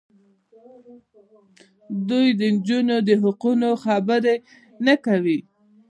دوی د نجونو د حقونو خبرې نه کوي.